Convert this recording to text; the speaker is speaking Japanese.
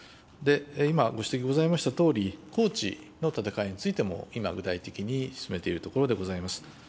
今、ご指摘ございましたとおり、高知の建て替えについても、今、具体的に進めているところでございます。